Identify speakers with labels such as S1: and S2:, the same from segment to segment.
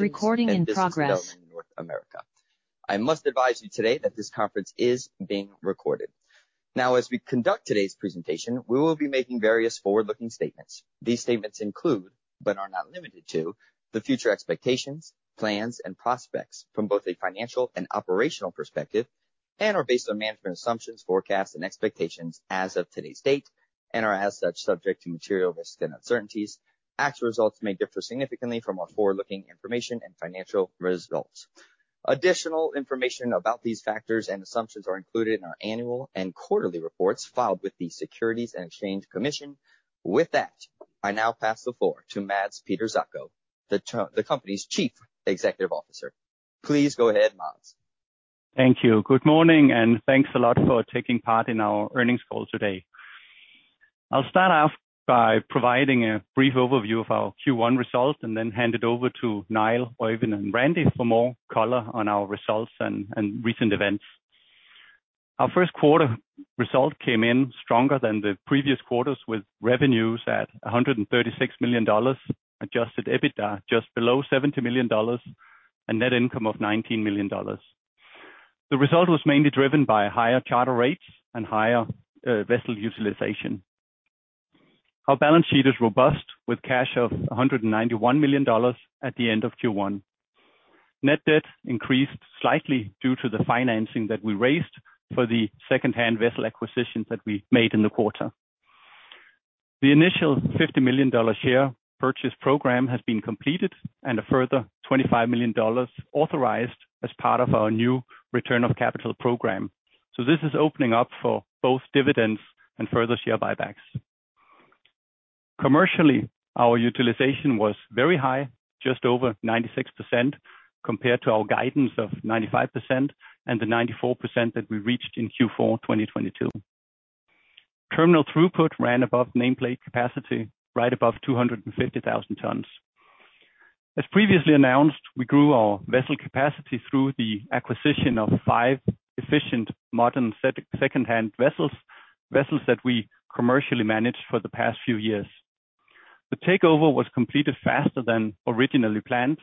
S1: Recording in progress In North America. I must advise you today that this conference is being recorded. As we conduct today's presentation, we will be making various forward-looking statements. These statements include, but are not limited to, the future expectations, plans, and prospects from both a financial and operational perspective, and are based on management assumptions, forecasts, and expectations as of today's date and are as such subject to material risks and uncertainties. Actual results may differ significantly from our forward-looking information and financial results. Additional information about these factors and assumptions are included in our annual and quarterly reports filed with the Securities and Exchange Commission. I now pass the floor to Mads Peter Zacho, the company's Chief Executive Officer. Please go ahead, Mads.
S2: Thank you. Good morning, and thanks a lot for taking part in our earnings call today. I'll start off by providing a brief overview of our Q1 results and then hand it over to Niall, Oeyvind, and Randy for more color on our results and recent events. Our first quarter results came in stronger than the previous quarters with revenues at $136 million, adjusted EBITDA just below $70 million, and net income of $19 million. The result was mainly driven by higher charter rates and higher vessel utilization. Our balance sheet is robust, with cash of $191 million at the end of Q1. Net debt increased slightly due to the financing that we raised for the secondhand vessel acquisitions that we made in the quarter. The initial $50 million share purchase program has been completed and a further $25 million authorized as part of our new return of capital program. This is opening up for both dividends and further share buybacks. Commercially, our utilization was very high, just over 96% compared to our guidance of 95% and the 94% that we reached in Q4 2022. Terminal throughput ran above nameplate capacity, right above 250,000 tons. As previously announced, we grew our vessel capacity through the acquisition of five efficient modern secondhand vessels that we commercially managed for the past few years. The takeover was completed faster than originally planned,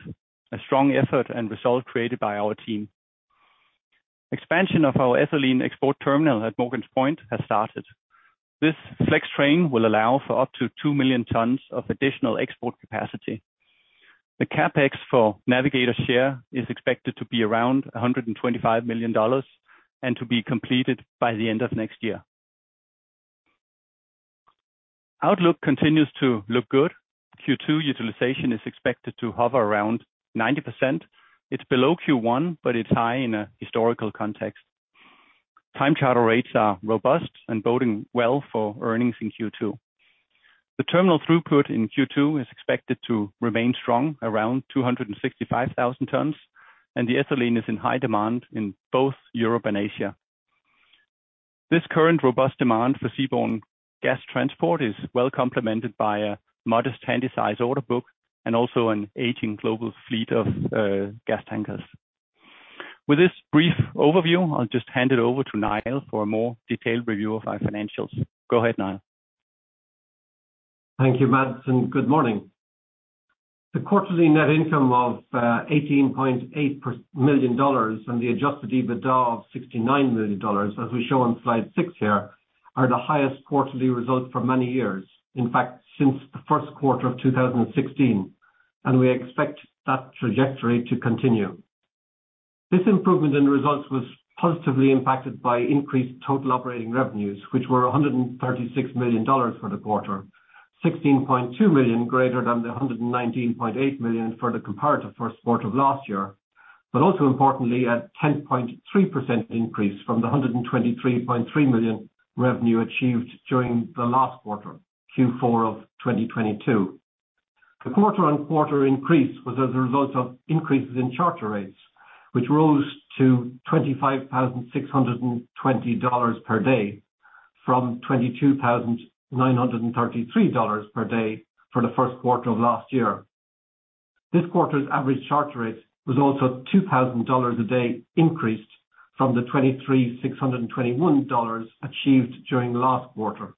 S2: a strong effort and result created by our team. Expansion of our ethylene export terminal at Morgan's Point has started. This flex train will allow for up to 2 million tons of additional export capacity. The CapEx for Navigator share is expected to be around $125 million and to be completed by the end of next year. Outlook continues to look good. Q2 utilization is expected to hover around 90%. It's below Q1, it's high in a historical context. Time charter rates are robust and boding well for earnings in Q2. The terminal throughput in Q2 is expected to remain strong, around 265,000 tons, the ethylene is in high demand in both Europe and Asia. This current robust demand for seaborne gas transport is well complemented by a modest Handysize order book and also an aging global fleet of gas tankers. With this brief overview, I'll just hand it over to Niall for a more detailed review of our financials. Go ahead, Niall.
S3: Thank you, Mads. Good morning. The quarterly net income of $18.8 million and the adjusted EBITDA of $69 million, as we show on slide six here, are the highest quarterly results for many years. In fact, since the first quarter of 2016, we expect that trajectory to continue. This improvement in results was positively impacted by increased total operating revenues, which were $136 million for the quarter, $16.2 million greater than the $119.8 million for the comparative first quarter of last year. Also importantly, a 10.3% increase from the $123.3 million revenue achieved during the last quarter, Q4 of 2022. The quarter-on-quarter increase was as a result of increases in charter rates, which rose to $25,620 per day from $22,933 per day for the first quarter of last year. This quarter's average charter rate was also $2,000 a day increased from the $23,621 achieved during last quarter.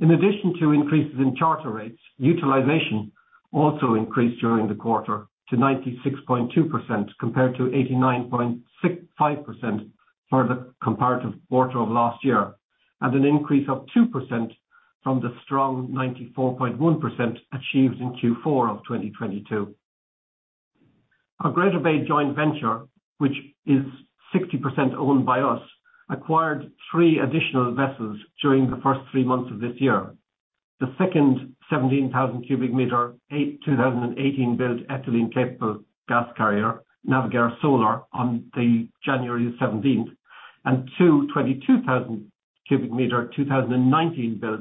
S3: In addition to increases in charter rates, utilization also increased during the quarter to 96.2% compared to 89.65% for the comparative quarter of last year, and an increase of 2% from the strong 94.1% achieved in Q4 of 2022. Our Greater Bay Joint Venture, which is 60% owned by us, acquired three additional vessels during the first three months of this year. The second 17,000 cubic meter, 2018-built ethylene-capable gas carrier, Navigator Solar, on January 17th, and two 22,000 cubic meter, 2019-built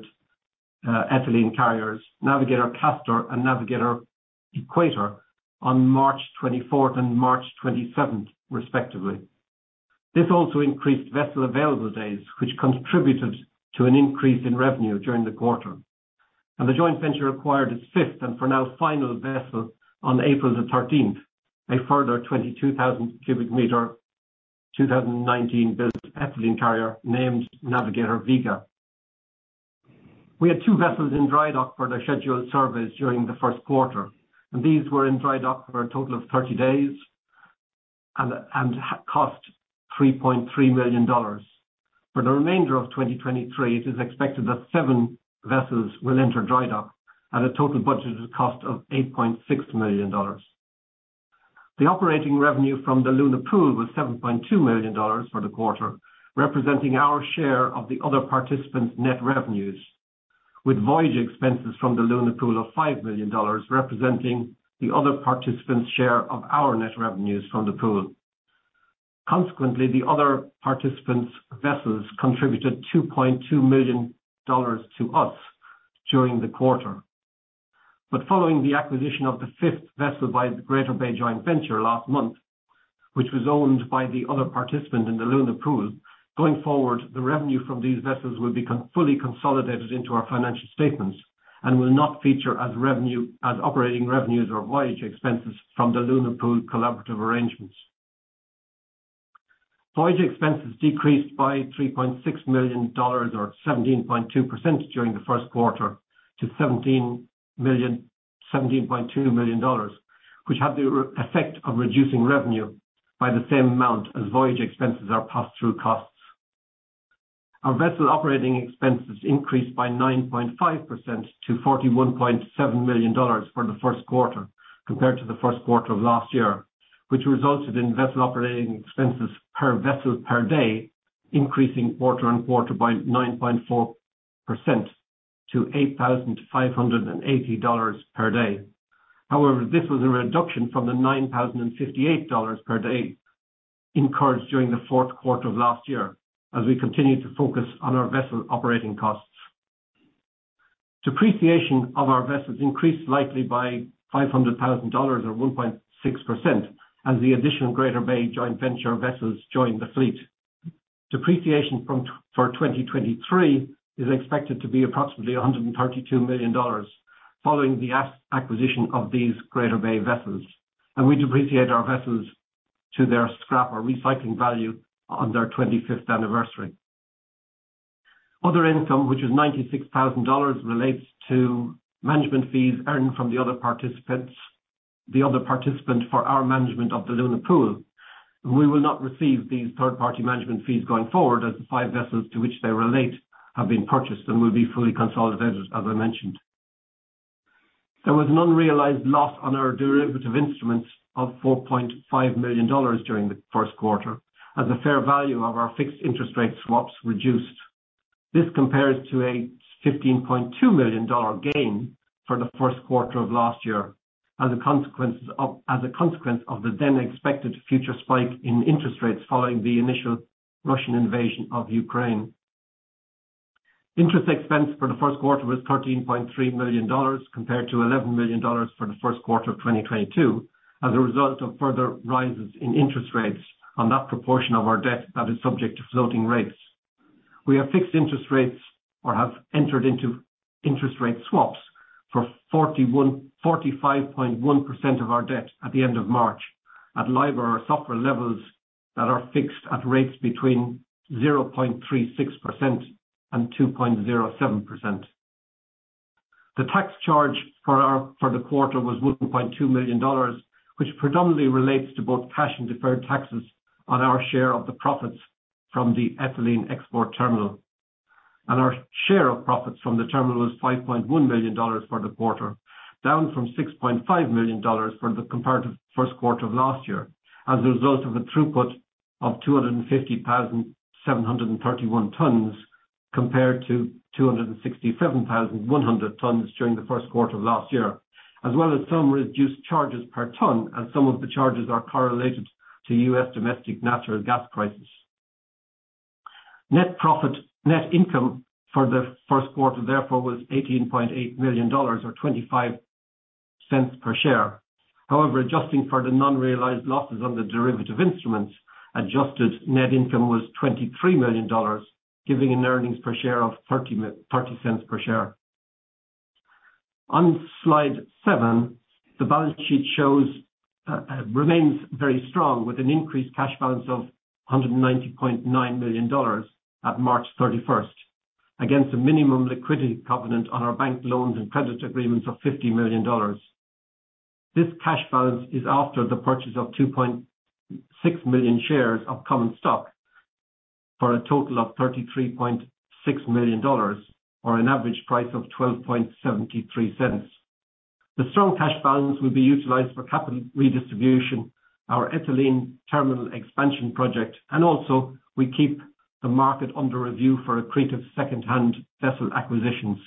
S3: ethylene carriers, Navigator Castor and Navigator Equator, on March 24th and March 27th, respectively. This also increased vessel available days, which contributed to an increase in revenue during the quarter. The Joint Venture acquired its fifth, and for now final, vessel on April 13th, a further 22,000 cubic meter, 2019-built ethylene carrier named Navigator Vega. We had two vessels in dry dock for their scheduled service during the first quarter. These were in dry dock for a total of 30 days and cost $3.3 million. For the remainder of 2023, it is expected that seven vessels will enter dry dock at a total budgeted cost of $8.6 million. The operating revenue from the Luna Pool was $7.2 million for the quarter, representing our share of the other participants' net revenues, with voyage expenses from the Luna Pool of $5 million, representing the other participants' share of our net revenues from the pool. Consequently, the other participants' vessels contributed $2.2 million to us during the quarter. Following the acquisition of the fifth vessel by the Greater Bay Joint Venture last month, which was owned by the other participant in the Luna Pool, going forward, the revenue from these vessels will be fully consolidated into our financial statements and will not feature as operating revenues or voyage expenses from the Luna Pool collaborative arrangements. Voyage expenses decreased by $3.6 million or 17.2% during the first quarter to $17.2 million, which had the effect of reducing revenue by the same amount as voyage expenses are passed through costs. Our vessel operating expenses increased by 9.5% to $41.7 million for the first quarter compared to the first quarter of last year, which resulted in vessel operating expenses per vessel per day, increasing quarter-on-quarter by 9.4% to $8,580 per day. However, this was a reduction from the $9,058 per day incurred during the fourth quarter of last year as we continue to focus on our vessel operating costs. Depreciation of our vessels increased slightly by $500,000 or 1.6% as the additional Greater Bay Joint Venture vessels joined the fleet. Depreciation for 2023 is expected to be approximately $132 million following the acquisition of these Greater Bay vessels. We depreciate our vessels to their 25th anniversary. Other income, which is $96,000, relates to management fees earned from the other participant for our management of the Luna Pool. We will not receive these third-party management fees going forward as the five vessels to which they relate have been purchased and will be fully consolidated, as I mentioned. There was an unrealized loss on our derivative instruments of $4.5 million during the first quarter, as the fair value of our fixed interest rate swaps reduced. This compares to a $15.2 million gain for the first quarter of last year as a consequence of the then expected future spike in interest rates following the initial Russian invasion of Ukraine. Interest expense for the first quarter was $13.3 million compared to $11 million for the first quarter of 2022 as a result of further rises in interest rates on that proportion of our debt that is subject to floating rates. We have fixed interest rates or have entered into interest rate swaps for 45.1% of our debt at the end of March at LIBOR or SOFR levels that are fixed at rates between 0.36% and 2.07%. The tax charge for the quarter was $1.2 million, which predominantly relates to both cash and deferred taxes on our share of the profits from the ethylene export terminal. Our share of profits from the terminal was $5.1 million for the quarter, down from $6.5 million for the comparative first quarter of last year as a result of a throughput of 250,731 tons compared to 267,100 tons during the first quarter of last year. As well as some reduced charges per ton, as some of the charges are correlated to U.S. domestic natural gas prices. Net income for the first quarter, therefore was $18.8 million or $0.25 per share. However, adjusting for the non-realized losses on the derivative instruments, adjusted net income was $23 million, giving an earnings per share of $0.30 per share. On slide seven, the balance sheet shows remains very strong with an increased cash balance of $190.9 million at March 31st, against a minimum liquidity covenant on our bank loans and credit agreements of $50 million. This cash balance is after the purchase of 2.6 million shares of common stock for a total of $33.6 million or an average price of $0.1273. The strong cash balance will be utilized for capital redistribution, our ethylene terminal expansion project, also we keep the market under review for accretive secondhand vessel acquisitions.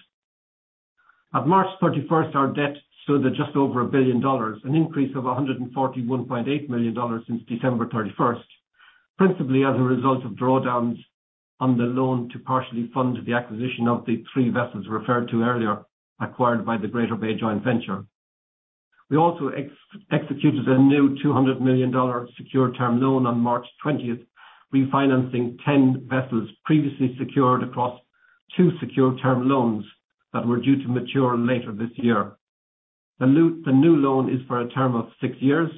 S3: At March 31st, our debt stood at just over $1 billion, an increase of $141.8 million since December 31st. Principally as a result of drawdowns on the loan to partially fund the acquisition of the three vessels referred to earlier, acquired by the Greater Bay Joint Venture. We also executed a new $200 million secured term loan on March 20th, refinancing 10 vessels previously secured across two secured term loans that were due to mature later this year. The new loan is for a term of six years,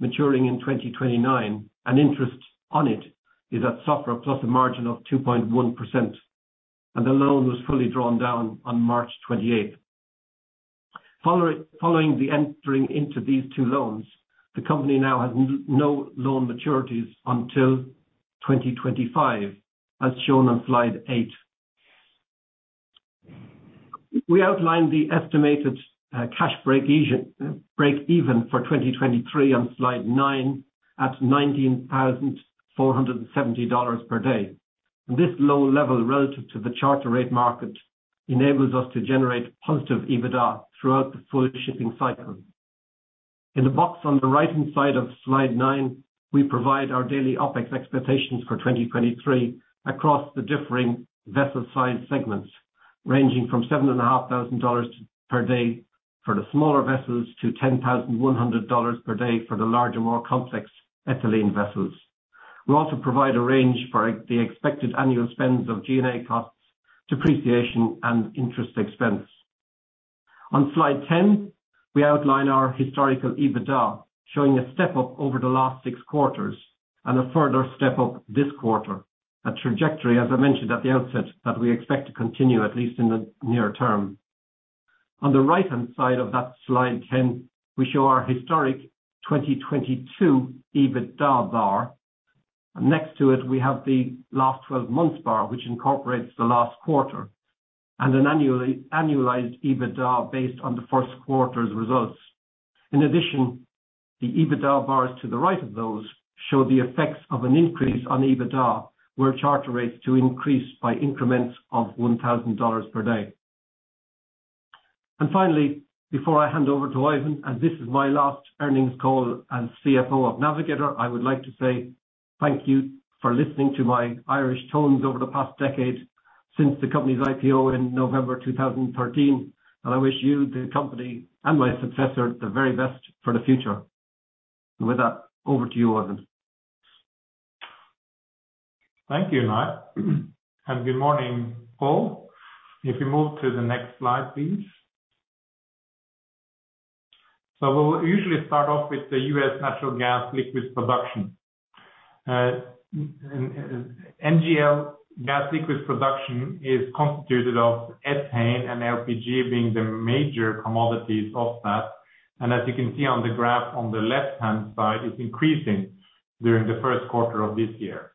S3: maturing in 2029. Interest on it is at SOFR+ a margin of 2.1%. The loan was fully drawn down on March 28th. Following the entering into these two loans, the company now has no loan maturities until 2025, as shown on slide eight. We outlined the estimated cash breakeven for 2023 on slide nine at $19,470 per day. This low level relative to the charter rate market enables us to generate positive EBITDA throughout the full shipping cycle. In the box on the right-hand side of slide nine, we provide our daily OpEx expectations for 2023 across the differing vessel size segments, ranging from seven and a half thousand dollars per day for the smaller vessels to $10,100 per day for the larger, more complex ethylene vessels. We also provide a range for the expected annual spends of G&A costs, depreciation, and interest expense. On slide 10, we outline our historical EBITDA, showing a step up over the last six quarters and a further step up this quarter. A trajectory, as I mentioned at the outset, that we expect to continue at least in the near term. On the right-hand side of that slide 10, we show our historic 2022 EBITDA bar. Next to it, we have the last 12 months bar, which incorporates the last quarter, and an annually-annualized EBITDA based on the first quarter's results. In addition, the EBITDA bars to the right of those show the effects of an increase on EBITDA, were charter rates to increase by increments of $1,000 per day. Finally, before I hand over to Oeyvind, and this is my last earnings call as CFO of Navigator, I would like to say thank you for listening to my Irish tones over the past decade since the company's IPO in November 2013, and I wish you, the company, and my successor the very best for the future. With that, over to you, Oeyvind.
S4: Thank you, Niall. Good morning, all. If you move to the next slide, please. We'll usually start off with the U.S. natural gas liquids production. NGL gas liquids production is constituted of ethane and LPG being the major commodities of that. As you can see on the graph on the left-hand side, it's increasing during the first quarter of this year.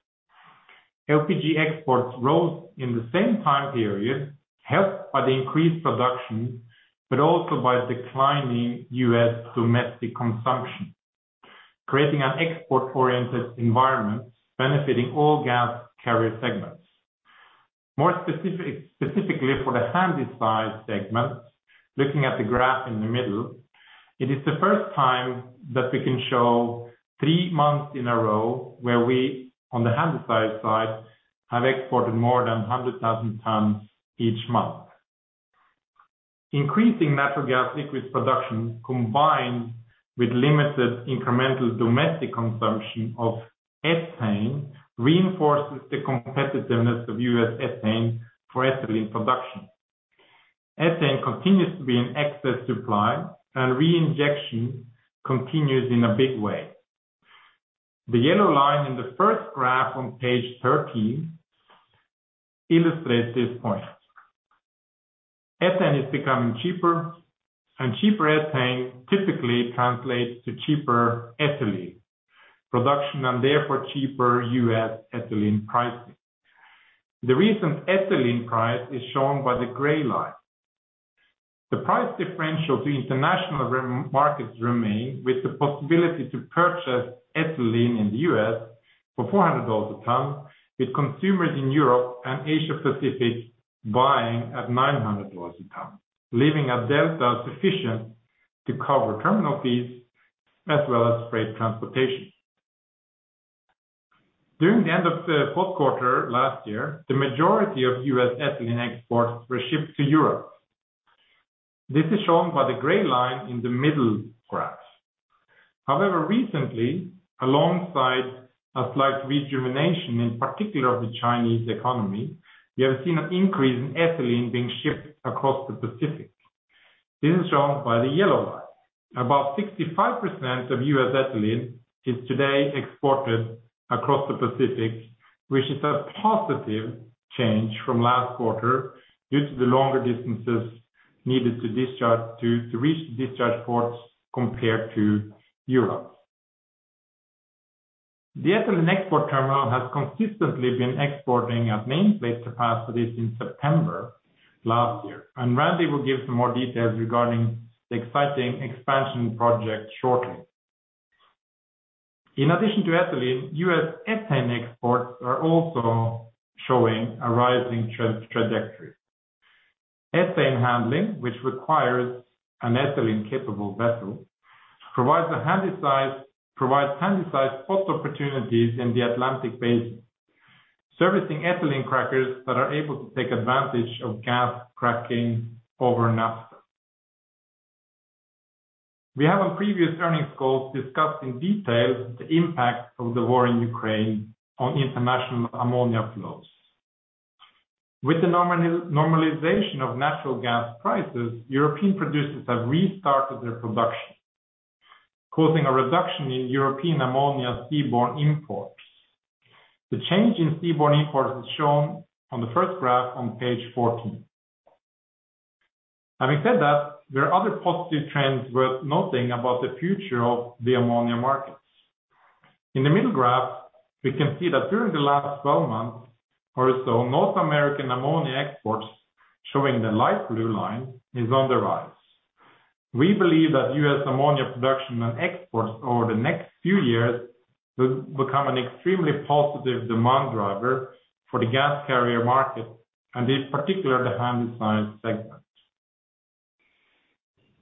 S4: LPG exports rose in the same time period, helped by the increased production, but also by declining U.S. domestic consumption, creating an export-oriented environment benefiting all gas carrier segments. Specifically for the Handysize segment, looking at the graph in the middle, it is the first time that we can show three months in a row where we, on the Handysize side, have exported more than 100,000 tons each month. Increasing natural gas liquids production, combined with limited incremental domestic consumption of ethane, reinforces the competitiveness of U.S. ethane for ethylene production. Ethane continues to be in excess supply, and reinjection continues in a big way. The yellow line in the first graph on page 13 illustrates this point. Ethane is becoming cheaper, and cheaper ethane typically translates to cheaper ethylene production and therefore cheaper U.S. ethylene pricing. The recent ethylene price is shown by the gray line. The price differential to international remarkets remain, with the possibility to purchase ethylene in the U.S. for $400 a ton, with consumers in Europe and Asia Pacific buying at $900 a ton, leaving a delta sufficient to cover terminal fees as well as freight transportation. During the end of the fourth quarter last year, the majority of U.S. ethylene exports were shipped to Europe. This is shown by the gray line in the middle graph. Recently, alongside a slight rejuvenation, in particular of the Chinese economy, we have seen an increase in ethylene being shipped across the Pacific. This is shown by the yellow line. About 65% of U.S. ethylene is today exported across the Pacific, which is a positive change from last quarter due to the longer distances needed to reach the discharge ports compared to Europe. The ethylene export terminal has consistently been exporting at nameplate capacities in September last year. Randy will give some more details regarding the exciting expansion project shortly. In addition to ethylene, U.S. ethane exports are also showing a rising trajectory. Ethane handling, which requires an ethylene-capable vessel, provides Handysize spot opportunities in the Atlantic Basin, servicing ethylene crackers that are able to take advantage of gas cracking over naphtha. We have on previous earnings calls discussed in detail the impact of the war in Ukraine on international ammonia flows. With the normalization of natural gas prices, European producers have restarted their production, causing a reduction in European ammonia seaborne imports. The change in seaborne imports is shown on the first graph on page 14. Having said that, there are other positive trends worth noting about the future of the ammonia markets. In the middle graph, we can see that during the last 12 months or so, North American ammonia exports, showing the light blue line, is on the rise. We believe that U.S. ammonia production and exports over the next few years will become an extremely positive demand driver for the gas carrier market, and in particular, the Handysize segment.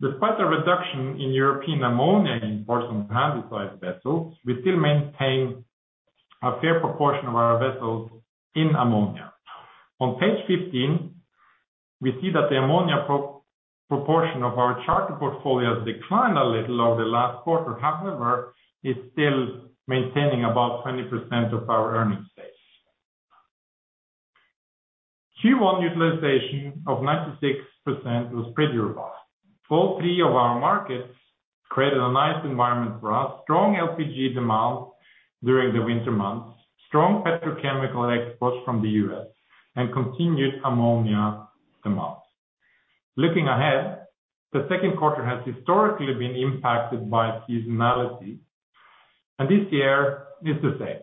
S4: Despite the reduction in European ammonia imports on Handysize vessels, we still maintain a fair proportion of our vessels in ammonia. On page 15, we see that the ammonia proportion of our charter portfolios declined a little over the last quarter. However, it's still maintaining about 20% of our earnings base. Q1 utilization of 96% was pretty robust. All three of our markets created a nice environment for us. Strong LPG demand during the winter months, strong petrochemical exports from the U.S., and continued ammonia demand. Looking ahead, the second quarter has historically been impacted by seasonality, and this year is the same.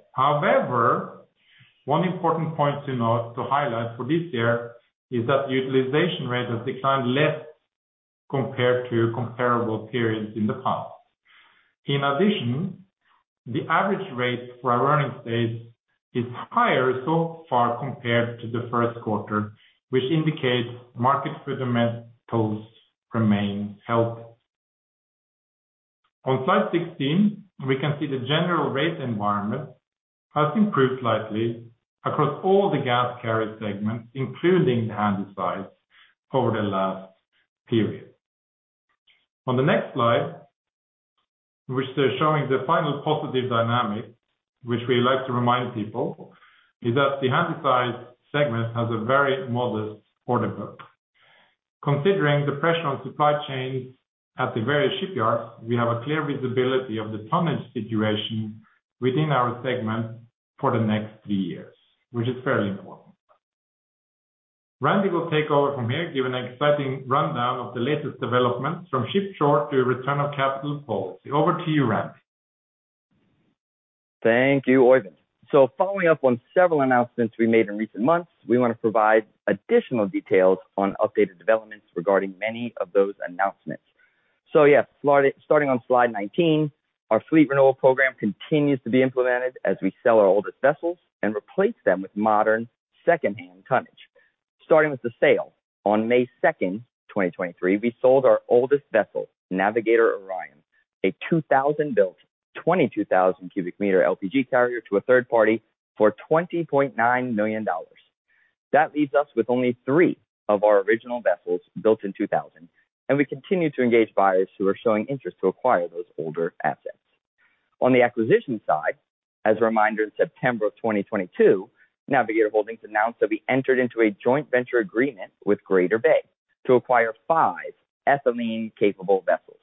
S4: One important point to highlight for this year is that the utilization rate has declined less compared to comparable periods in the past. The average rate for our earnings base is higher so far compared to the first quarter, which indicates market fundamentals remain healthy. On slide 16, we can see the general rate environment has improved slightly across all the gas carrier segments, including the Handysize over the last period. On the next slide, which they're showing the final positive dynamic which we like to remind people, is that the Handysize segment has a very modest order book. Considering the pressure on supply chain at the various shipyards, we have a clear visibility of the tonnage situation within our segment for the next three years, which is fairly important. Randy will take over from here, give an exciting rundown of the latest developments from [ship-to-shore] to return of capital policy. Over to you, Randy.
S5: Thank you, Oeyvind. Following up on several announcements we made in recent months, we wanna provide additional details on updated developments regarding many of those announcements. starting on slide 19, our fleet renewal program continues to be implemented as we sell our oldest vessels and replace them with modern second-hand tonnage. Starting with the sale, on May 2nd, 2023, we sold our oldest vessel, Navigator Orion, a 2000 built, 22,000 cubic meter LPG carrier to a third-party for $20.9 million. That leaves us with only three of our original vessels built in 2000, and we continue to engage buyers who are showing interest to acquire those older assets. On the acquisition side, as a reminder, in September of 2022, Navigator Holdings announced that we entered into a joint venture agreement with Greater Bay to acquire five ethylene-capable vessels.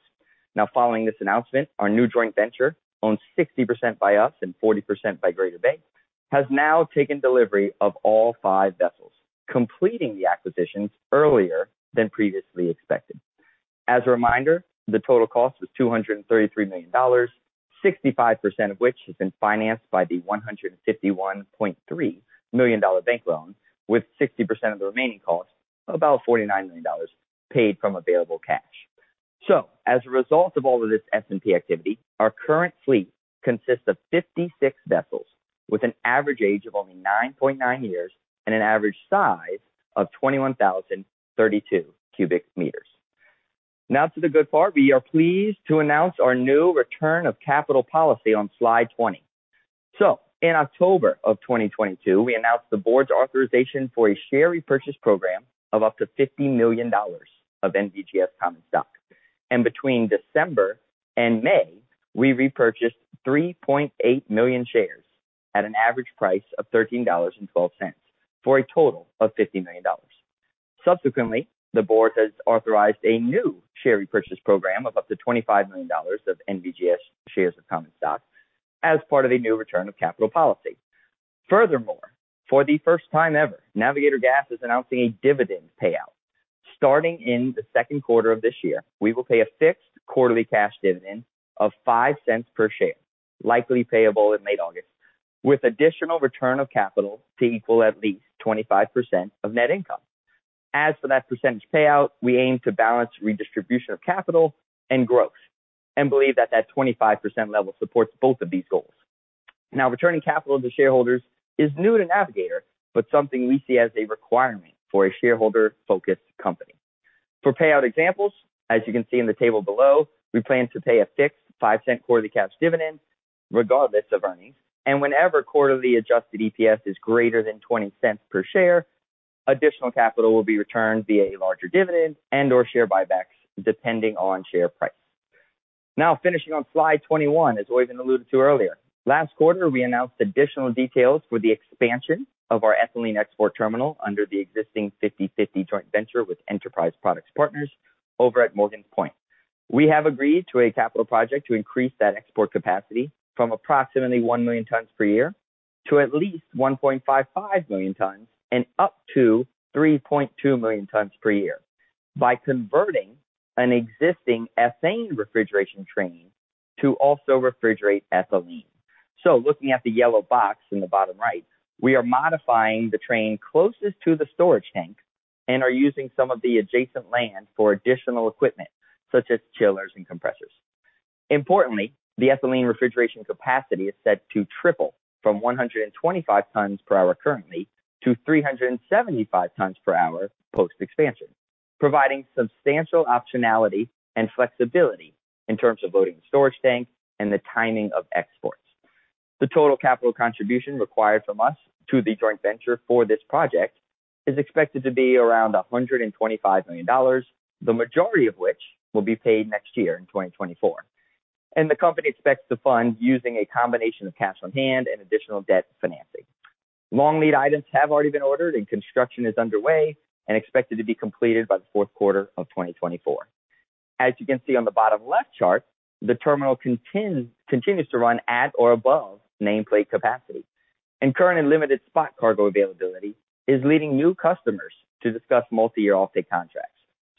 S5: Following this announcement, our new joint venture, owned 60% by us and 40% by Greater Bay, has now taken delivery of all five vessels, completing the acquisitions earlier than previously expected. As a reminder, the total cost was $233 million, 65% of which has been financed by the $151.3 million bank loan, with 60% of the remaining cost, about $49 million, paid from available cash. As a result of all of this S&P activity, our current fleet consists of 56 vessels with an average age of only 9.9 years and an average size of 21,032 cubic meters. To the good part. We are pleased to announce our new return of capital policy on slide 20. In October of 2022, we announced the board's authorization for a share repurchase program of up to $50 million of NVGS common stock. Between December and May, we repurchased 3.8 million shares at an average price of $13.12, for a total of $50 million. Subsequently, the board has authorized a new share repurchase program of up to $25 million of NVGS shares of common stock as part of a new return of capital policy. Furthermore, for the first time ever, Navigator Gas is announcing a dividend payout. Starting in the second quarter of this year, we will pay a fixed quarterly cash dividend of $0.05 per share, likely payable in late August, with additional return of capital to equal at least 25% of net income. As for that percentage payout, we aim to balance redistribution of capital and growth and believe that 25% level supports both of these goals. Now, returning capital to shareholders is new to Navigator, but something we see as a requirement for a shareholder-focused company. For payout examples, as you can see in the table below, we plan to pay a fixed $0.05 quarterly cash dividend regardless of earnings. Whenever quarterly adjusted EPS is greater than $0.20 per share, additional capital will be returned via larger dividend and/or share buybacks depending on share price. Now finishing on slide 21, as Oeyvind alluded to earlier. Last quarter, we announced additional details for the expansion of our ethylene export terminal under the existing 50/50 joint venture with Enterprise Products Partners over at Morgan's Point. We have agreed to a capital project to increase that export capacity from approximately 1 million tons per year to at least 1.55 million tons and up to 3.2 million tons per year by converting an existing ethane refrigeration train to also refrigerate ethylene. Looking at the yellow box in the bottom right, we are modifying the train closest to the storage tank and are using some of the adjacent land for additional equipment such as chillers and compressors. Importantly, the ethylene refrigeration capacity is set to triple from 125 tons per hour currently to 375 tons per hour post-expansion, providing substantial optionality and flexibility in terms of loading storage tanks and the timing of exports. The total capital contribution required from us to the joint venture for this project is expected to be around $125 million, the majority of which will be paid next year in 2024. The company expects to fund using a combination of cash on hand and additional debt financing. Long-lead items have already been ordered and construction is underway and expected to be completed by the fourth quarter of 2024. As you can see on the bottom left chart, the terminal continues to run at or above nameplate capacity, and current and limited spot cargo availability is leading new customers to discuss multi-year offtake contracts.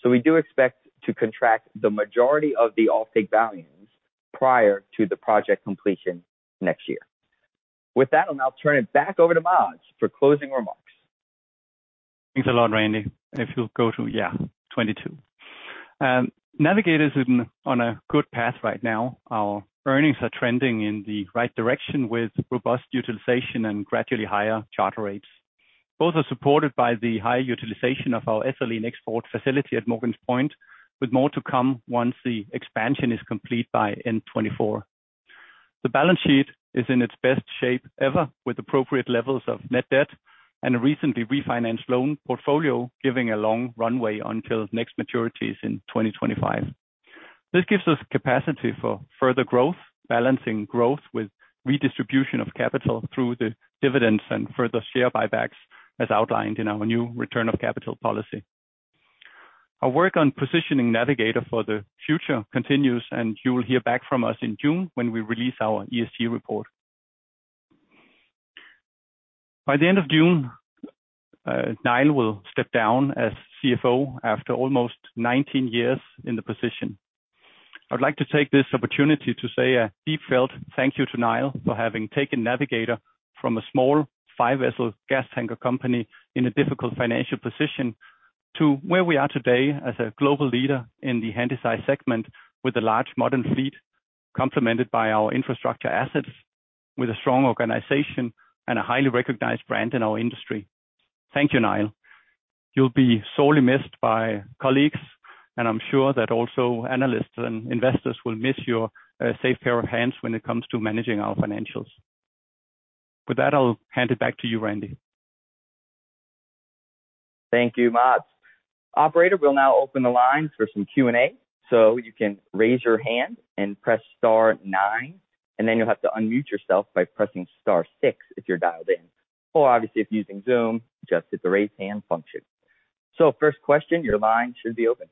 S5: We do expect to contract the majority of the offtake volumes prior to the project completion next year. With that, I'll now turn it back over to Mads for closing remarks.
S2: Thanks a lot, Randy. If you'll go to 22. Navigator is on a good path right now. Our earnings are trending in the right direction with robust utilization and gradually higher charter rates. Both are supported by the high utilization of our ethylene export facility at Morgan's Point, with more to come once the expansion is complete by end 2024. The balance sheet is in its best shape ever, with appropriate levels of net debt and a recently refinanced loan portfolio giving a long runway until next maturities in 2025. This gives us capacity for further growth, balancing growth with redistribution of capital through the dividends and further share buybacks, as outlined in our new return of capital policy. Our work on positioning Navigator for the future continues, and you will hear back from us in June when we release our ESG report. By the end of June, Niall will step down as CFO after almost 19 years in the position. I'd like to take this opportunity to say a deep-felt thank you to Niall for having taken Navigator from a small five-vessel gas tanker company in a difficult financial position to where we are today as a global leader in the Handysize segment with a large modern fleet complemented by our infrastructure assets with a strong organization and a highly recognized brand in our industry. Thank you, Niall. You'll be sorely missed by colleagues, and I'm sure that also analysts and investors will miss your safe pair of hands when it comes to managing our financials. With that, I'll hand it back to you, Randy.
S5: Thank you, Mads. Operator, we'll now open the lines for some Q&A. You can raise your hand and press star nine, and then you'll have to unmute yourself by pressing star six if you're dialed in. Obviously, if you're using Zoom, just hit the Raise Hand function. First question, your line should be open.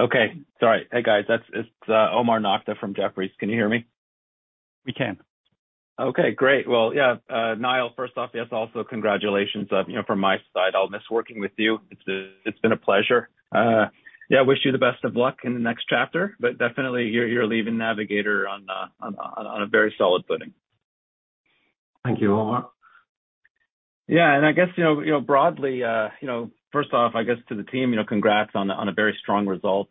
S6: Okay. Sorry. Hey, guys, It's Omar Nokta from Jefferies. Can you hear me?
S2: We can.
S6: Okay, great. Well, yeah, Niall, first off, yes, also congratulations. You know, from my side, I'll miss working with you. It's been a pleasure. Yeah, I wish you the best of luck in the next chapter. Definitely you're leaving Navigator on a very solid footing.
S3: Thank you, Omar.
S6: Yeah. I guess, you know, you know, broadly, you know, first off, I guess, to the team, you know, congrats on a, on a very strong result.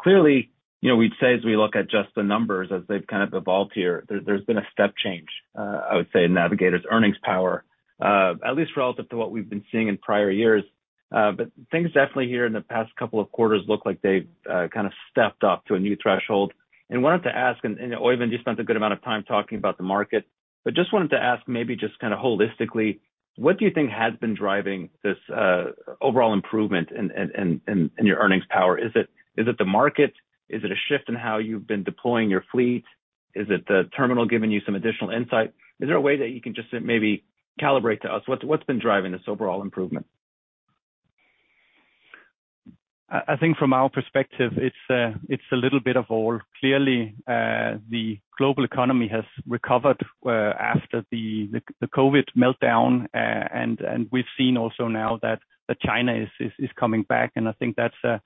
S6: Clearly, you know, we'd say as we look at just the numbers as they've kind of evolved here, there's been a step change, I would say Navigator's earnings power, at least relative to what we've been seeing in prior years. Things definitely here in the past couple of quarters look like they've kind of stepped up to a new threshold. Wanted to ask, Oeyvind, you spent a good amount of time talking about the market, just wanted to ask maybe just kind of holistically, what do you think has been driving this overall improvement in your earnings power? Is it, is it the market? Is it a shift in how you've been deploying your fleet? Is it the terminal giving you some additional insight? Is there a way that you can just maybe calibrate to us what's been driving this overall improvement?
S2: I think from our perspective, it's a little bit of all. Clearly, the global economy has recovered after the COVID meltdown. We've seen also now that China is coming back, and I think that's a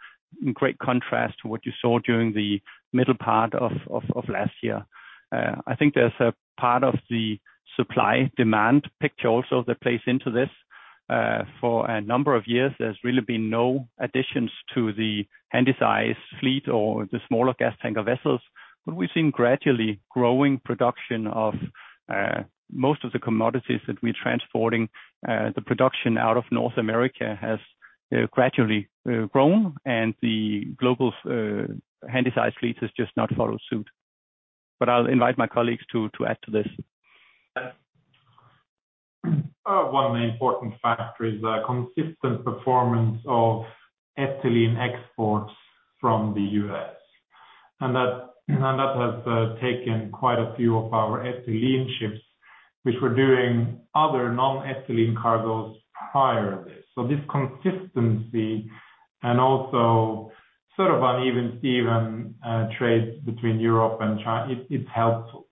S2: great contrast to what you saw during the middle part of last year. I think there's a part of the supply-demand picture also that plays into this. For a number of years, there's really been no additions to the Handysize fleet or the smaller gas tanker vessels, but we've seen gradually growing production of most of the commodities that we're transporting. The production out of North America has gradually grown, and the global Handysize fleet has just not followed suit. I'll invite my colleagues to add to this.
S4: One main important factor is the consistent performance of ethylene exports from the U.S. That has taken quite a few of our ethylene ships, which were doing other non-ethylene cargoes prior to this. This consistency and also sort of uneven-Steven trade between Europe and it's helpful.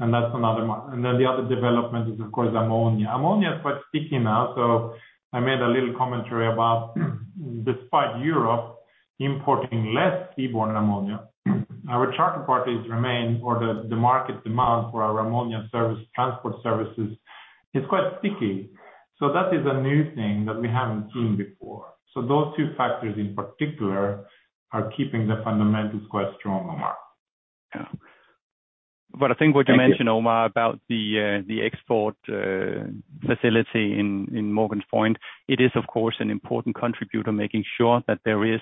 S4: That's another one. The other development is, of course, ammonia. Ammonia is quite sticky now, so I made a little commentary about despite Europe importing less seaborne ammonia, our charter parties remain or the market demand for our ammonia service, transport services is quite sticky. That is a new thing that we haven't seen before. Those two factors in particular are keeping the fundamentals quite strong, Omar.
S2: I think what you mentioned, Omar, about the export facility in Morgan's Point, it is of course, an important contributor, making sure that there is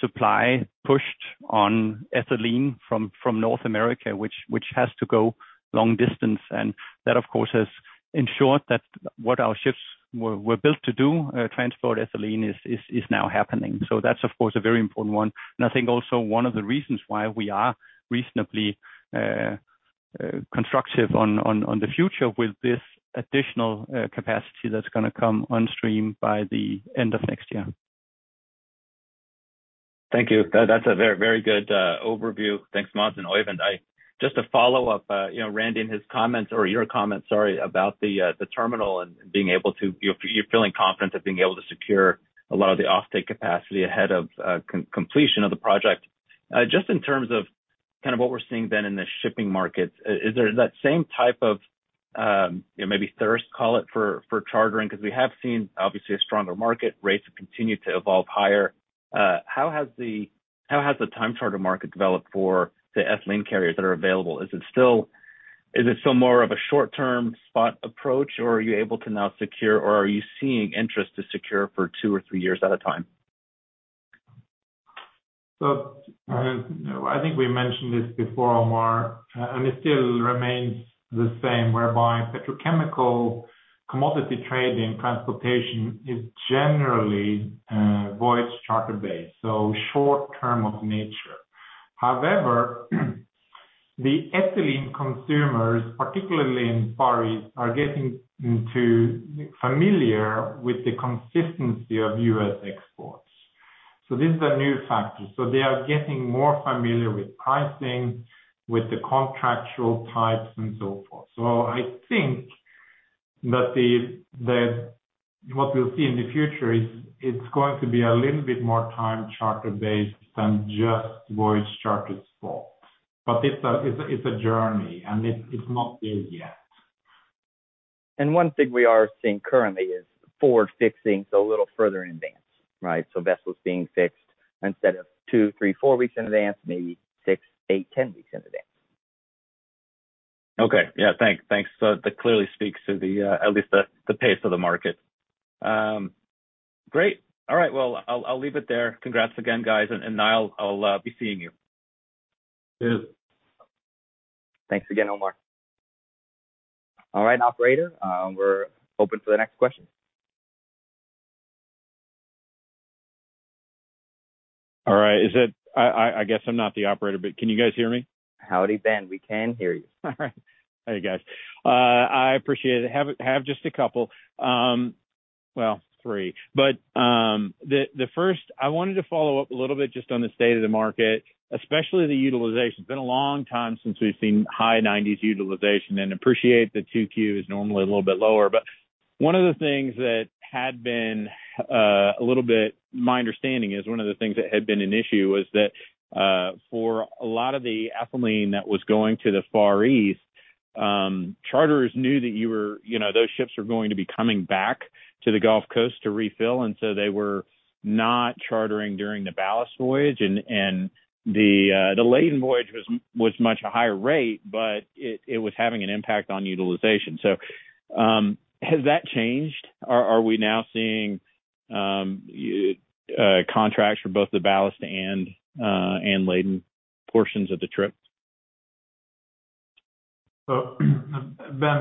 S2: supply pushed on ethylene from North America, which has to go long distance. That, of course, has ensured that what our ships were built to do, transport ethylene is now happening. That's of course, a very important one. I think also one of the reasons why we are reasonably constructive on the future with this additional capacity that's gonna come on stream by the end of next year.
S6: Thank you. That's a very good overview. Thanks, Mads and Oeyvind. Just a follow-up, you know, Randy, in his comments or your comments, sorry, about the terminal and being able to secure a lot of the offtake capacity ahead of completion of the project. Just in terms of kind of what we're seeing then in the shipping markets, is there that same type of, you know, maybe thirst, call it, for chartering? 'Cause we have seen obviously a stronger market rates have continued to evolve higher. How has the time charter market developed for the ethylene carriers that are available? Is it still more of a short term spot approach, or are you able to now secure, or are you seeing interest to secure for two or three years at a time?
S4: I think we mentioned this before, Omar, and it still remains the same, whereby petrochemical commodity trade and transportation is generally voyage charter-based, so short term of nature. However, the ethylene consumers, particularly in Far East, are getting into familiar with the consistency of U.S. exports. This is a new factor. They are getting more familiar with pricing, with the contractual types and so forth. I think that what we'll see in the future is it's going to be a little bit more time charter-based than just voyage charter spot. It's a journey and it's not there yet.
S5: One thing we are seeing currently is forward fixing, so a little further in advance, right? Vessels being fixed instead of two, three, four weeks in advance, maybe six, eight, 10 weeks in advance.
S6: Okay. Yeah. Thanks. Thanks. That clearly speaks to at least the pace of the market. Great. All right, well, I'll leave it there. Congrats again, guys. Niall, I'll be seeing you.
S3: Cheers.
S5: Thanks again, Omar. All right, Operator, we're open for the next question.
S7: All right. Is it... I guess I'm not the operator, but can you guys hear me?
S5: Howdy, Ben. We can hear you.
S7: All right. Hey, guys. I appreciate it. Have just a couple, well, three. The first I wanted to follow up a little bit just on the state of the market, especially the utilization. It's been a long time since we've seen high 90s utilization and appreciate the 2Q is normally a little bit lower. One of the things that had been my understanding is one of the things that had been an issue was that for a lot of the ethylene that was going to the Far East, charters knew that you were, you know, those ships were going to be coming back to the Gulf Coast to refill, they were not chartering during the ballast voyage. The laden voyage was much a higher rate, but it was having an impact on utilization. Has that changed? Are we now seeing contracts for both the ballast and laden portions of the trip?
S4: Ben,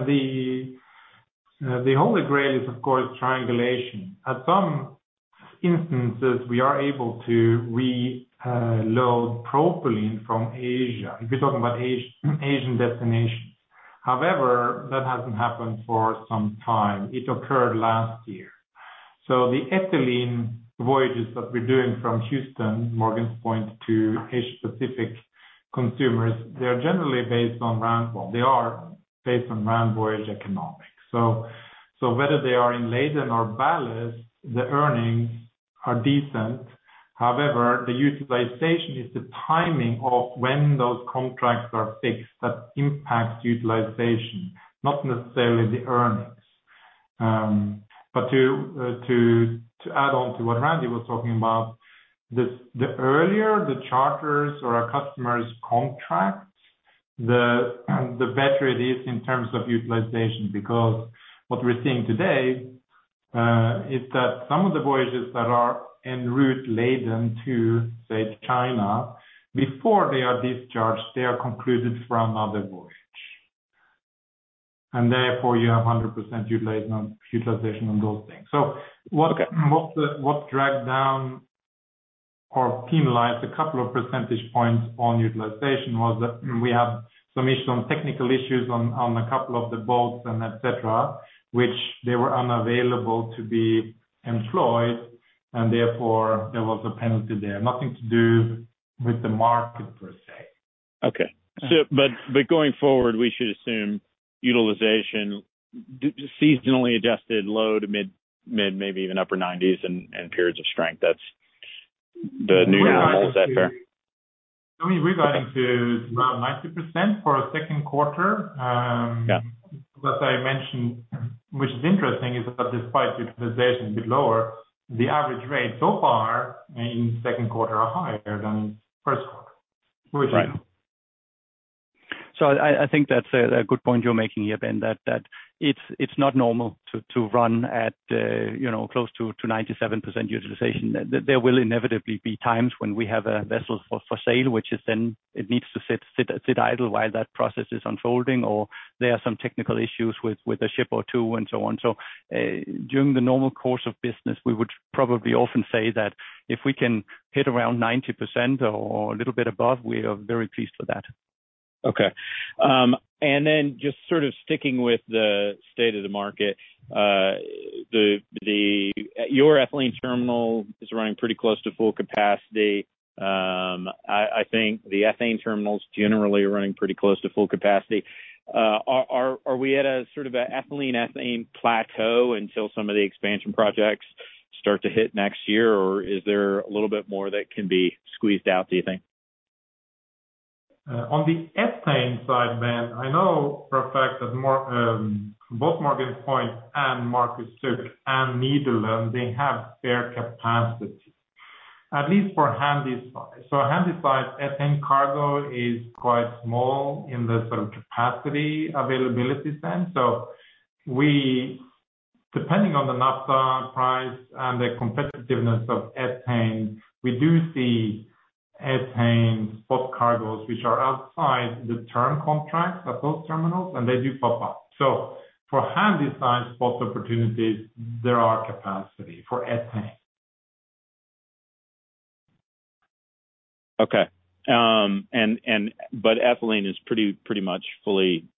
S4: the holy grail is, of course, triangulation. At some instances, we are able to reload propylene from Asia, if you're talking about Asian destinations. However, that hasn't happened for some time. It occurred last year. The ethylene voyages that we're doing from Houston, Morgan's Point to Asia-Pacific consumers, they are based on round voyage economics. Whether they are in laden or ballast, the earnings are decent. However, the utilization is the timing of when those contracts are fixed that impacts utilization, not necessarily the earnings. But to add on to what Randy was talking about, the earlier the charters or our customers contract, the better it is in terms of utilization. What we're seeing today, is that some of the voyages that are en route laden to, say, China before they are discharged, they are concluded from other voyage. Therefore, you have 100% utilization on those things.
S7: Okay.
S4: What dragged down or penalized 2 percentage points on utilization was that we have some issues on technical issues on a couple of the boats and et cetera, which they were unavailable to be employed, and therefore, there was a penalty there. Nothing to do with the market per se.
S7: Okay. Going forward, we should assume utilization seasonally adjusted low to mid, maybe even upper 90s and periods of strength. That's the new normal. Is that fair?
S4: We're guiding to, I mean, we're guiding to around 90% for our second quarter.
S7: Yeah.
S4: I mentioned, which is interesting, is that despite utilization a bit lower, the average rate so far in second quarter are higher than first quarter.
S7: Right.
S4: Which is-
S2: I think that's a good point you're making here, Ben, that it's not normal to run at, you know, close to 97% utilization. There will inevitably be times when we have a vessel for sale, which is then it needs to sit idle while that process is unfolding, or there are some technical issues with a ship or two and so on. During the normal course of business, we would probably often say that if we can hit around 90% or a little bit above, we are very pleased with that.
S7: Okay. Just sort of sticking with the state of the market, your ethylene terminal is running pretty close to full capacity. I think the ethane terminals generally are running pretty close to full capacity. Are we at a sort of a ethylene ethane plateau until some of the expansion projects start to hit next year, or is there a little bit more that can be squeezed out, do you think?
S4: On the ethane side, Ben, I know for a fact that both Morgan's Point and Marcus Hook and Nederland, they have their capacity. At least for Handysize. A Handysize ethane cargo is quite small in the sort of capacity availability sense. We, depending on the naphtha price and the competitiveness of ethane, we do see ethane spot cargoes which are outside the term contracts at those terminals, and they do pop up. For Handysize spot opportunities, there are capacity for ethane.
S7: Okay. Ethylene is pretty much fully utilized,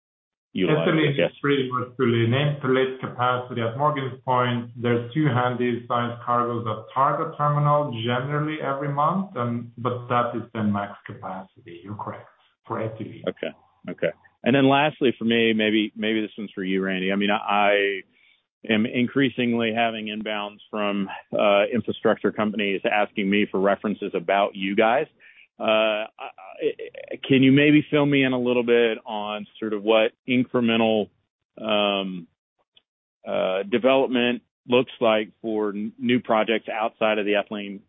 S7: I guess.
S4: Ethylene is pretty much fully utilized. Capacity at Morgan's Point, there's two Handysize cargoes that target terminal generally every month. That is the max capacity. You're correct. For ethylene.
S7: Okay. Okay. Lastly for me, maybe this one's for you, Randy. I mean, I am increasingly having inbounds from infrastructure companies asking me for references about you guys. Can you maybe fill me in a little bit on sort of what incremental development looks like for new projects outside of the ethylene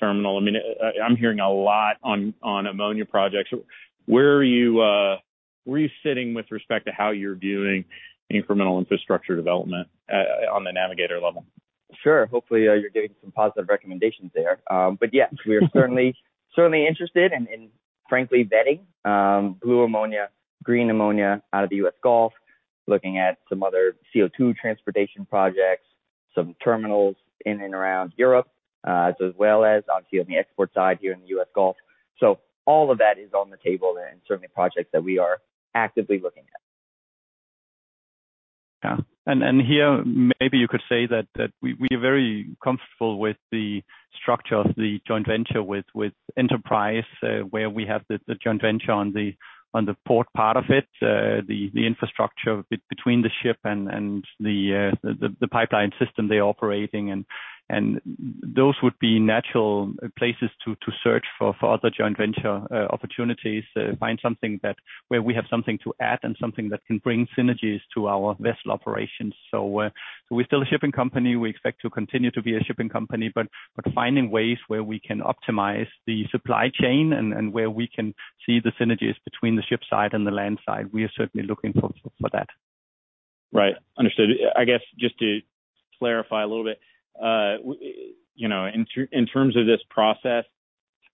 S7: terminal? I mean, I'm hearing a lot on ammonia projects. Where are you, where are you sitting with respect to how you're viewing incremental infrastructure development on the Navigator level?
S5: Sure. Hopefully, you're getting some positive recommendations there. Yes, we are certainly interested and frankly vetting blue ammonia, green ammonia out of the U.S. Gulf, looking at some other CO2 transportation projects, some terminals in and around Europe, as well as obviously on the export side here in the U.S. Gulf. All of that is on the table and certainly projects that we are actively looking at.
S2: Yeah. Here, maybe you could say that we are very comfortable with the structure of the joint venture with Enterprise, where we have the joint venture on the port part of it, the infrastructure between the ship and the pipeline system they're operating. Those would be natural places to search for other joint venture opportunities, find something that where we have something to add and something that can bring synergies to our vessel operations. We're still a shipping company. We expect to continue to be a shipping company, but finding ways where we can optimize the supply chain and where we can see the synergies between the ship side and the land side, we are certainly looking for that.
S7: Right. Understood. I guess just to clarify a little bit, you know, in terms of this process,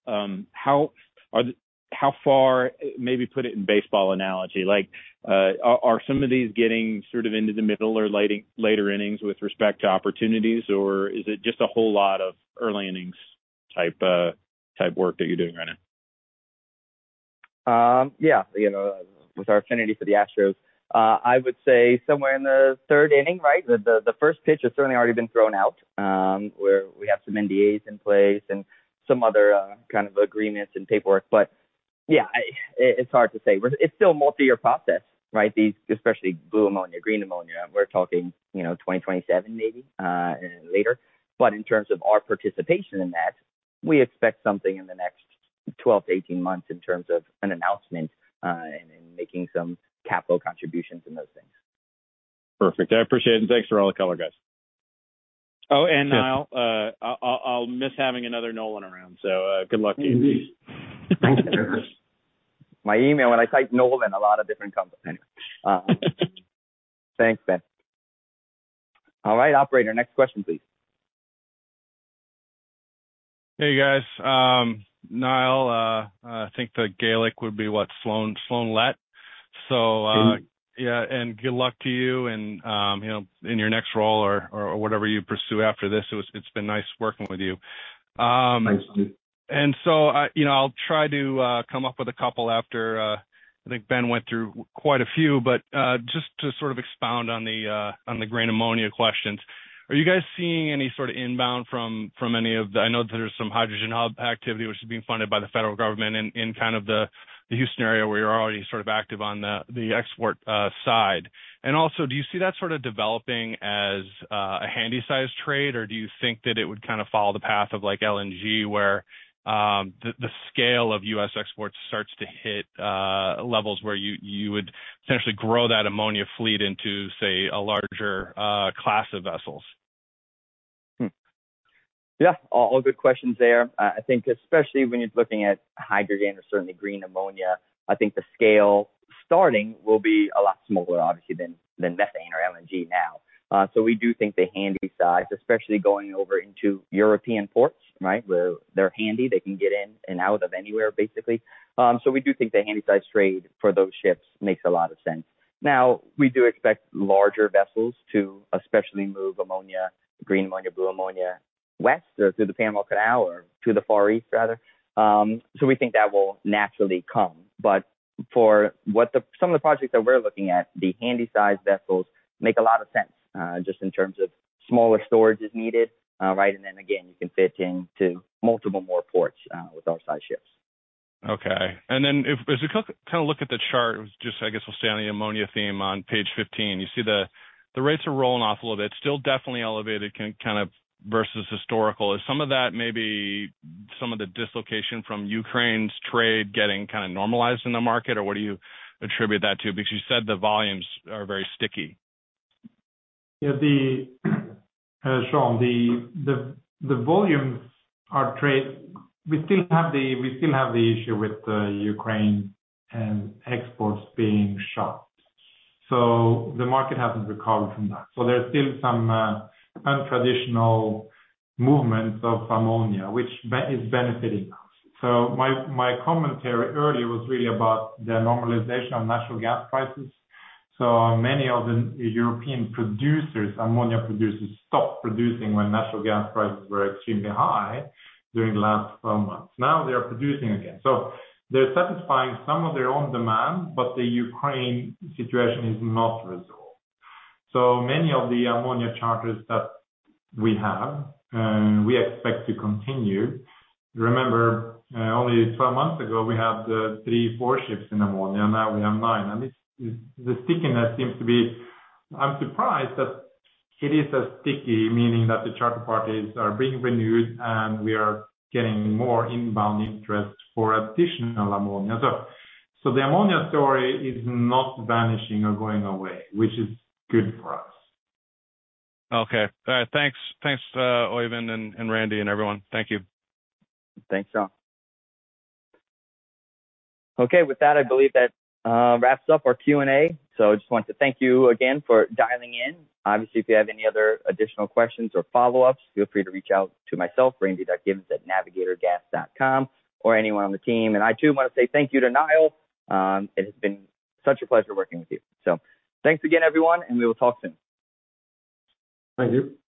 S7: how far... Maybe put it in baseball analogy. Like, are some of these getting sort of into the middle or later innings with respect to opportunities, or is it just a whole lot of early innings type work that you're doing right now?
S5: Yeah. You know, with our affinity for the Astros, I would say somewhere in the third inning, right? The first pitch has certainly already been thrown out, where we have some NDAs in place and some other kind of agreements and paperwork. Yeah, it's hard to say. It's still a multi-year process, right? These, especially blue ammonia, green ammonia. We're talking, you know, 2027, maybe, and later. In terms of our participation in that, we expect something in the next 12-18 months in terms of an announcement and making some capital contributions and those things.
S7: Perfect. I appreciate it. Thanks for all the color, guys. Niall, I'll miss having another Nolan around. Good luck to you.
S4: Indeed. Thank you.
S5: My email, when I type Nolan, a lot of different companies. Anyway, thanks, Ben. Operator, next question, please.
S8: Hey guys, Niall, I think the Gaelic would be what sláinte let. Okay. Good luck to you and, you know, in your next role or whatever you pursue after this. It's been nice working with you.
S3: Thanks, dude.
S8: I, you know, I'll try to come up with a couple after I think Ben went through quite a few, but just to sort of expound on the on the green ammonia questions. Are you guys seeing any sort of inbound from? I know there's some hydrogen hub activity which is being funded by the federal government in kind of the Houston area where you're already sort of active on the export side. Also, do you see that sort of developing as a Handysized trade or do you think that it would kind of follow the path of like LNG where the scale of U.S. exports starts to hit levels where you would essentially grow that ammonia fleet into, say, a larger class of vessels?
S5: Yeah. All good questions there. I think especially when you're looking at hydrogen or certainly green ammonia, I think the scale starting will be a lot smaller obviously than methane or LNG now. We do think the Handysize, especially going over into European ports, right, where they're handy, they can get in and out of anywhere, basically. We do think the Handysize trade for those ships makes a lot of sense. Now, we do expect larger vessels to especially move ammonia, green ammonia, blue ammonia west or through the Panama Canal or to the Far East, rather. We think that will naturally come. For what some of the projects that we're looking at, the Handysize vessels make a lot of sense, just in terms of smaller storage is needed, right. Again, you can fit into multiple more ports, with those size ships.
S8: Okay. If, as you kind of look at the chart, just I guess we'll stay on the ammonia theme on page 15, you see the rates are rolling off a little bit. Still definitely elevated kind of versus historical. Is some of that maybe some of the dislocation from Ukraine's trade getting kind of normalized in the market? What do you attribute that to? You said the volumes are very sticky.
S4: Yeah, Sean, the volumes are trade. We still have the issue with the Ukraine and exports being shut. The market hasn't recovered from that. There's still some untraditional movements of ammonia, which is benefiting us. My commentary earlier was really about the normalization of natural gas prices. Many of the European producers, ammonia producers, stopped producing when natural gas prices were extremely high during the last months. Now they are producing again. They're satisfying some of their own demand, but the Ukraine situation is not resolved. Many of the ammonia charters that we have, we expect to continue. Remember, only 12 months ago, we had three, four ships in ammonia, now we have nine. The stickiness seems to be... I'm surprised that it is as sticky, meaning that the charter parties are being renewed, and we are getting more inbound interest for additional ammonia. The ammonia story is not vanishing or going away, which is good for us.
S8: Okay. All right. Thanks. Thanks, Oeyvind and Randy and everyone. Thank you.
S2: Thanks, y'all.
S5: Okay. With that, I believe that wraps up our Q&A. I just want to thank you again for dialing in. Obviously, if you have any other additional questions or follow-ups, feel free to reach out to myself, randy.giveans@navigatorgas.com or anyone on the team. I too want to say thank you to Niall. It has been such a pleasure working with you. Thanks again, everyone, and we will talk soon. Thank you